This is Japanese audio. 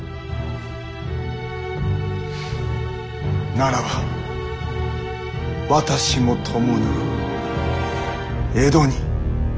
ならば私も共に江戸に。